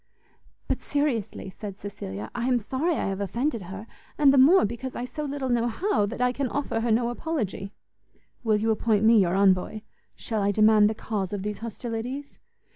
"But seriously," said Cecilia, "I am sorry I have offended her, and the more because I so little know how, that I can offer her no apology." "Will you appoint me your envoy? Shall I demand the cause of these hostilities?"